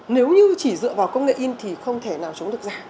nếu như chỉ dựa vào công nghệ in thì không thể nào chống được giảm